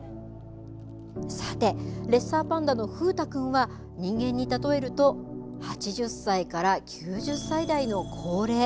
さてレッサーパンダの風太くんは人間に例えると８０歳から９０歳代の高齢。